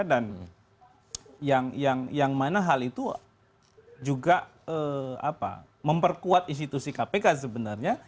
dan yang mana hal itu juga memperkuat institusi kpk sebenarnya